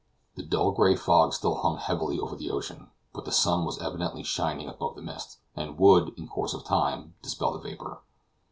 The dull gray fog still hung heavily over the ocean, but the sun was evidently shining above the mist, and would, in course of time, dispel the vapor.